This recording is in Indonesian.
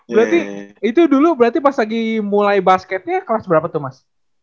berarti itu dulu berarti pas lagi mulai basketnya kelas berapa tuh mas